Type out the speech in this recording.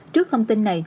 trước thông tin này